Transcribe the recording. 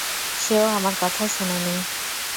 সেও আমার কথা শোনেনি।